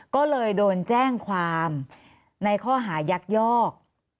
ก็เลยโดนแจ้งความในข้อหายักยอก